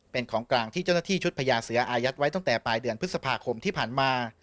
เป็นของกลางที่เจ้าหน้าที่ชุดพญาเสืออายัดไว้ตั้งแต่ปลายเดือนพฤษภาคมที่ผ่านมา